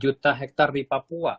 empat juta hektare di papua